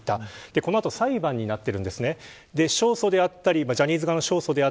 その後裁判になっているんです。